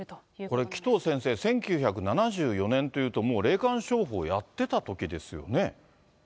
これ、紀藤先生、１９７４年というと、もう霊感商法やってたときですよね。